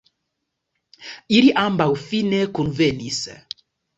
Ili ambaŭ fine kunvenis.